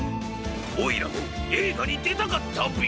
おいらもえいがにでたかったビ。